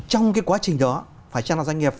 trong cái quá trình đó phải chăng là doanh nghiệp